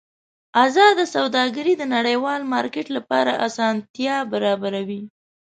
ازاده سوداګري د نړیوال مارکېټ لپاره اسانتیا برابروي.